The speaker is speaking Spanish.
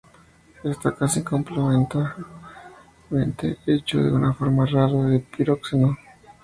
Está casi completamente hecho de una forma rara de piroxeno.